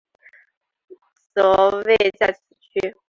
则位在此区。